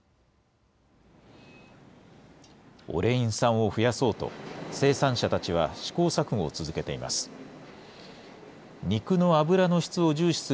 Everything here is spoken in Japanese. オレイン酸を増やそうと、生産者たちは試行錯誤を続けています。